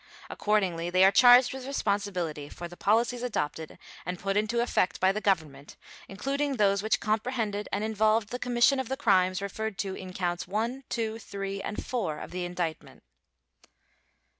Accordingly, they are charged with responsibility for the policies adopted and put into effect by the Government including those which comprehended and involved the commission of the crimes referred to in Counts One, Two, Three, and Four of the Indictment.